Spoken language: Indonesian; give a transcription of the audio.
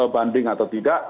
banding atau tidak